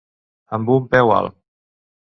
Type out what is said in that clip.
Amb un peu alt.